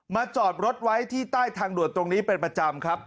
จอดรถไว้ที่ใต้ทางด่วนตรงนี้เป็นประจำครับ